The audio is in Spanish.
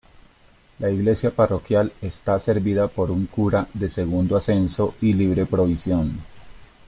La Iglesia parroquial está servida por un cura de segundo ascenso y libre provisión.